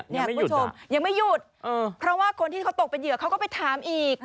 คุณผู้ชมยังไม่หยุดเพราะว่าคนที่เขาตกเป็นเหยื่อเขาก็ไปถามอีก